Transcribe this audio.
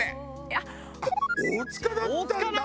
あっ大塚だったんだ！